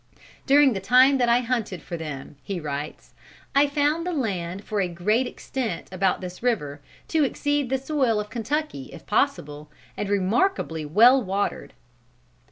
"During the time that I hunted for them," he writes, "I found the land for a great extent about this river to exceed the soil of Kentucky if possible, and remarkably well watered."